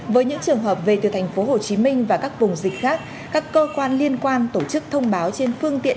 với những trường hợp về từ tp hcm và các vùng dịch khác các cơ quan liên quan tổ chức thông báo trên phương tiện